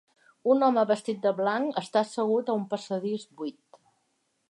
un home vestit de blanc està assegut a un passadís buit